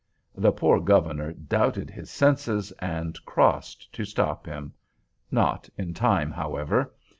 The poor Governor doubted his senses, and crossed to stop him—not in time, however.